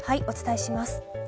お伝えします。